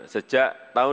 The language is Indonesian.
sejak tahun dua ribu enam